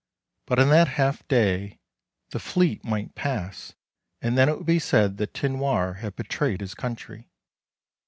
But in that half day the fleet might pass, and then it would be said that Tinoir had betrayed his country.